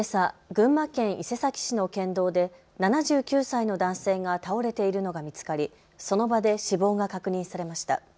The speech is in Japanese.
群馬県伊勢崎市の県道で７９歳の男性が倒れているのが見つかり、その場で死亡が確認されました。